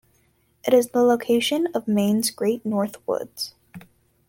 It is the location of Maine's Great North Woods.